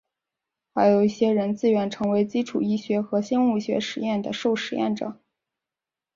还有一些人自愿成为基础医学和生物学实验的受实验者。